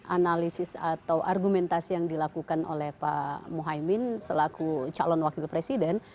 analisis atau argumentasi yang dilakukan oleh pak muhaymin selaku calon wakil presiden